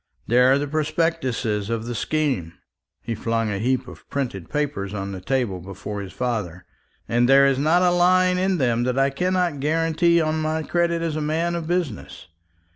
There are the prospectuses of the scheme" (he flung a heap of printed papers on the table before his father), "and there is not a line in them that I cannot guarantee on my credit as a man of business.